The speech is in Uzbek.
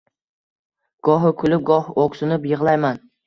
Gohi kulib, goh o‘ksinib yig‘layman